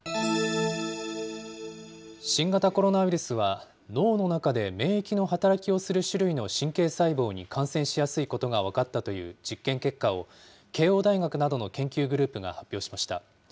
新型コロナウイルスは、脳の中で免疫の働きをする種類の神経細胞に感染しやすいことが分かったという実験結果を、慶応大学などの研究グループが発表しました。